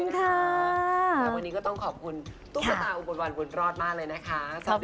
ขอบคุณค่ะ